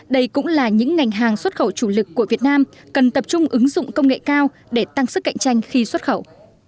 đây cũng là những ngành hàng xuất khẩu chủ lực của việt nam cần tập trung ứng dụng công nghệ cao để tăng sức cạnh tranh khi xuất khẩu